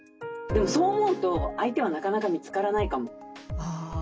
でもそう思うと相手はなかなか見つからないかも。